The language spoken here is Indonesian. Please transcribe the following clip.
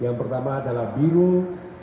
yang pertama adalah biro pemelahanan dan permohonan